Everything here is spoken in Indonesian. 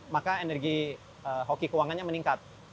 maka energi hoki keuangannya meningkat